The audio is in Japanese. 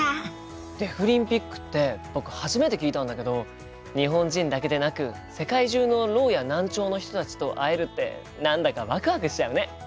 デフリンピックって僕初めて聞いたんだけど日本人だけでなく世界中のろうや難聴の人たちと会えるって何だかワクワクしちゃうね。